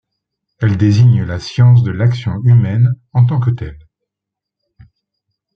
Elle désigne la science de l'action humaine en tant que telle.